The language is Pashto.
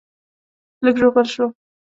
لږ ژوبل شوم